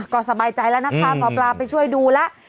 ก็สบายใจแล้วนะคะหมอปลาไปช่วยดูแล้ว